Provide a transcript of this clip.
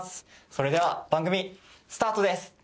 それでは番組スタートです。